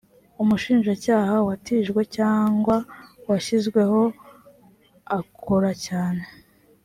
umushinjacyaha watijwe cyangwa washyizweho akoracyane.